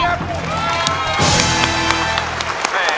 เยี่ยม